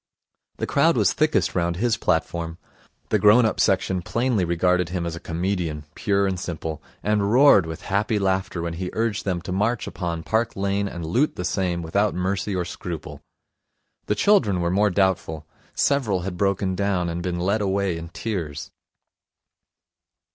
The crowd was thickest round his platform. The grown up section plainly regarded him as a comedian, pure and simple, and roared with happy laughter when he urged them to march upon Park Lane and loot the same without mercy or scruple. The children were more doubtful. Several had broken down, and been led away in tears.